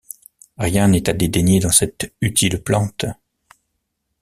Rien n’est à dédaigner dans cette utile plante.